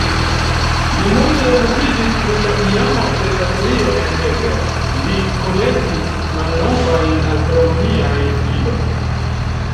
Li multe okupiĝis pri la iama observatorio en Eger, li kolektis malnovajn astronomiajn ilojn.